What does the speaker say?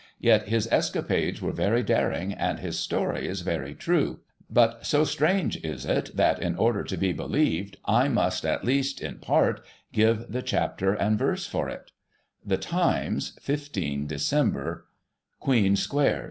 Yet his escapades were very daring and his story is very true — ^but so strange is it that, in order to be believed, I must, at least, in part, give the chapter and verse for it : The Times, 15 Dec. : Queen Square.'